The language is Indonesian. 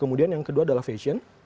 kemudian yang kedua adalah fashion